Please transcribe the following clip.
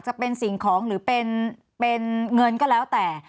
จะเป็นสิ่งของหรือเป็นเงินก็แล้วแต่